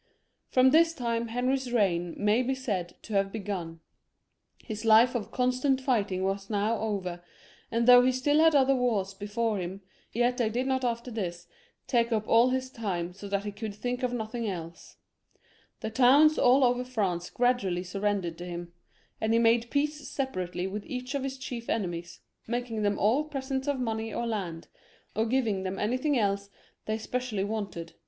From this time Henry's reign may be said to have be gun ; his life of constant fighting was now over, and though he still had other wars before him, yet they did not after this take up all his time so that he could think of nothing else. The towns all over France went on giving them selves up to him ; and he made peace separately with each of his chief enemies, making them all presents of money or land, or giving them anything else they specially wanted, a06 HENRY IV. [CH.